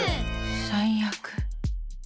最悪。